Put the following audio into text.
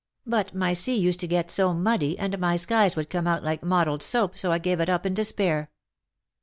But my sea used to get so muddy, and my skies would come out like mottled soap, so I gave it up in despair."